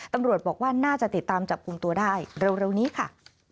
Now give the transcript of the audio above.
ตำรวจบอกว่าน่าจะติดตามจับกลุ่มตัวได้เร็วนี้ค่ะ